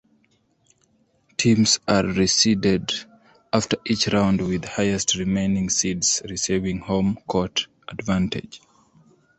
Teams are reseeded after each round with highest remaining seeds receiving home court advantage.